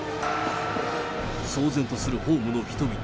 騒然とするホームの人々。